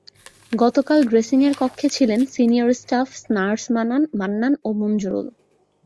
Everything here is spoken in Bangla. গতকাল ড্রেসিংয়ের কক্ষে ছিলেন সিনিয়র স্টাফ নার্স মান্নান ও মঞ্জুরুল।